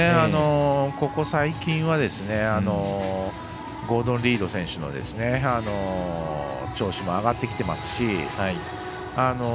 ここ最近はゴードン・リード選手の調子も上がってきてますし。